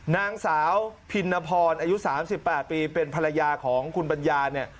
นางสาวพินพรอายุ๓๘ปีเป็นภรรยาของคุณปัญญาเนี่ย